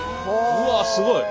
うわすごい。